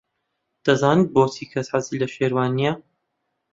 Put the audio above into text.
دەزانیت بۆچی کەس حەزی لە شێروان نییە؟